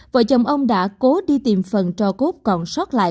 vợ chồng ông đã cố đi tìm phần cho cốt còn sót lại